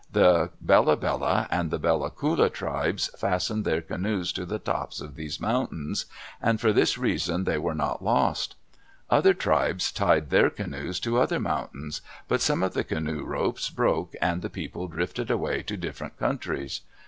The Bella Bella and the Bella Coola tribes fastened their canoes to the tops of these mountains, and for this reason they were not lost. Other tribes tied their canoes to other mountains, but some of the canoe ropes broke and the people drifted away to different countries.